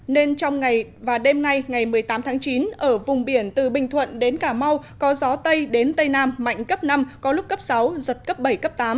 nên trong ngày và đêm nay ngày một mươi tám tháng chín ở vùng biển từ bình thuận đến cà mau có gió tây đến tây nam mạnh cấp năm có lúc cấp sáu giật cấp bảy cấp tám